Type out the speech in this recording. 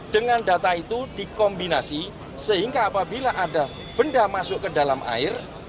dengan data itu dikombinasi sehingga apabila ada benda masuk ke dalam air